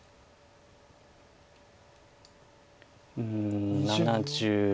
うん７０。